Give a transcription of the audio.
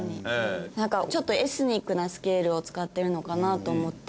なんかちょっとエスニックなスケールを使ってるのかなと思って。